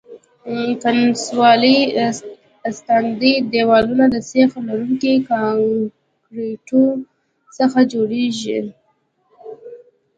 کنسولي استنادي دیوالونه د سیخ لرونکي کانکریټو څخه جوړیږي